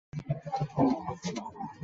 县治庞卡。